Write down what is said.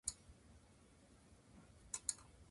だんご